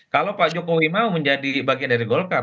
kalau pak jokowi mau menjadi bagian dari golkar